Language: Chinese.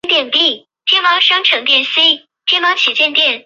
新形成的涡旋会快速伸展和弯曲以消除任何开放终端的涡旋线。